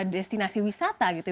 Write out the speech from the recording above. destinasi wisata gitu